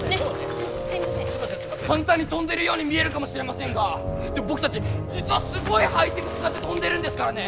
簡単に飛んでるように見えるかもしれませんがでも僕たち実はすごいハイテク使って飛んでるんですからね！